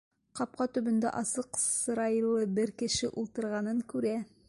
Ҡапҡа төбөндә асыҡ сырайлы бер кеше ултырғанын күрә.